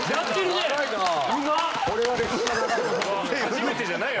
初めてじゃない。